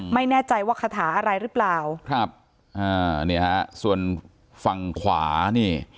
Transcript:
ไม่แน่ใจว่าคาถาอะไรหรือเปล่าครับอ่านี่ฮะส่วนฝั่งขวานี่